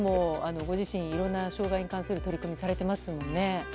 ご自身もいろんな障害に関する取り組みをされていますものね。